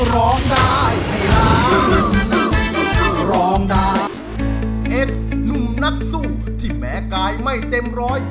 ร้องได้ให้ล้านร้องดาเอสหนุ่มนักสู้ที่แม้กายไม่เต็มร้อย